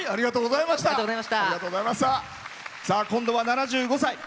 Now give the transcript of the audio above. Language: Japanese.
今度は７５歳。